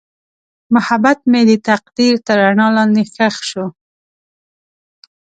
محبت مې د تقدیر تر رڼا لاندې ښخ شو.